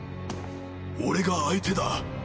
俺が相手だ。